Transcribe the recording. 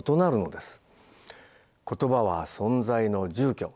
「言葉は存在の住居」。